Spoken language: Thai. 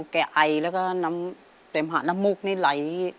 แก่ไอแล้วก็เต็มหานมมุกในไหล